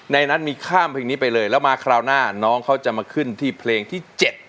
ในนั้นมีข้ามเพลงนี้ไปเลยแล้วมาคราวหน้าน้องเขาจะมาขึ้นที่เพลงที่๗